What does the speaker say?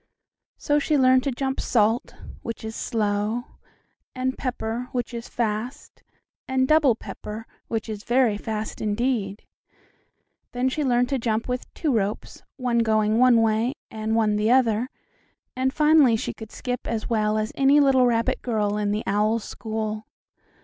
So she learned to jump "salt," which is slow, and "pepper," which is fast, and "double pepper," which is very fast indeed. Then she learned to jump with two ropes, one going one way and one the other, and finally she could skip as well as any little rabbit girl in the owl's school.